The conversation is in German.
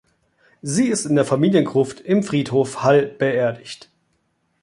Sie ist in der Familiengruft im Friedhof Hall beerdigt.